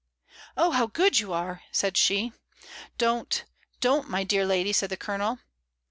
"Oh, how good you are!" said she. "Don't! don't, my dear lady," said the Colonel.